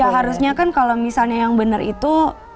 ya harusnya kan kalau misalnya yang benar itu